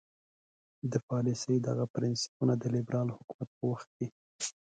د پالیسۍ دغه پرنسیپونه د لیبرال حکومت په وخت کې.